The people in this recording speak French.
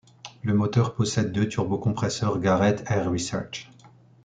Le moteur possède deux turbocompresseurs Garrett-AiResearch.